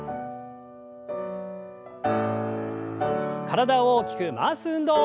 体を大きく回す運動。